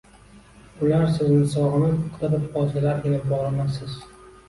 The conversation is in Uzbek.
Ular sizni sogʻinib, qidirib qolsalargina bogʻlanasiz